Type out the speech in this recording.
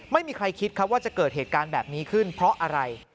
ไม่มีใครคิดครับว่าจะเกิดเหตุการณ์แบบนี้ขึ้นเพราะอะไร